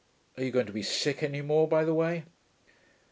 Are you going to be sick any more, by the way?'